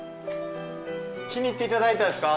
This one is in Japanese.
気に入っていただいたんですか？